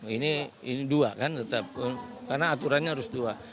ini dua kan tetap karena aturannya harus dua